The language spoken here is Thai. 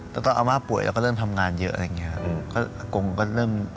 แล้วก็อาม่าป่วยแล้วก็เริ่มทำงานเยอะอะไรอย่างนี้ครับ